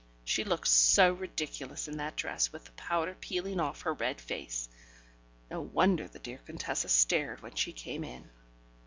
She looked so ridiculous in that dress with the powder peeling off her red face. No wonder the dear Contessa stared when she came in.